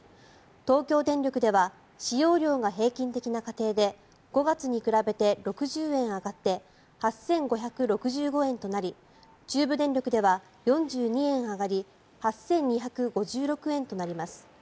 東京電力では使用量が平均的な家庭で５月に比べて６０円上がって８５６５円となり中部電力では４２円上がり８２５６円となります。